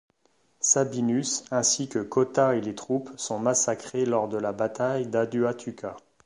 Sabinus, ainsi que Cotta et les troupes, sont massacrés lors de la bataille d'Aduatuca.